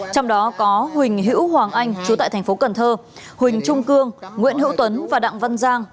trong đó có huỳnh hữu hoàng anh chú tại thành phố cần thơ huỳnh trung cương nguyễn hữu tuấn và đặng văn giang